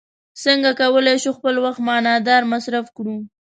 څنګه کولی شو خپل وخت معنا داره مصرف کړو.